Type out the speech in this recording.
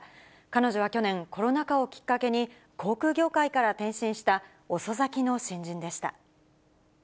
彼女は去年、コロナ禍をきっかけに航空業界から転身した、遅咲きの新人でした。